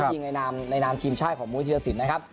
ยิงในนำทีมชายของมุษย์ธิรษิณนะครับ